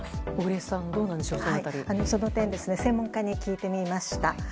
その点専門家に聞いてみました。